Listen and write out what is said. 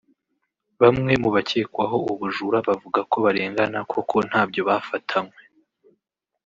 Bamwe mu bakekwaho ubujura bavuga ko barengana koko ntabyo bafatanywe